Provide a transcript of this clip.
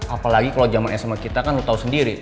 apalagi kalo jaman sma kita kan lo tau sendiri